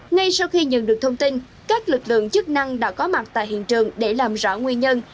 ngay sau khi nhận được thông tin các lực lượng chức năng đã có mặt tại hiện trường để làm rõ nguyên nhân